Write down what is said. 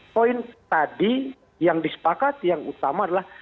poin tadi yang disepakati yang utama adalah